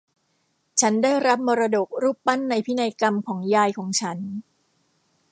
ฉันได้รับมรดกรูปปั้นในพินัยกรรมของยายของฉัน